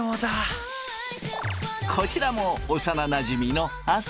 こちらも幼なじみの亜生。